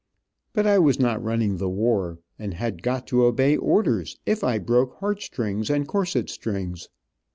But I was not running the war, and had got to obey orders, if I broke heartstrings and corset strings.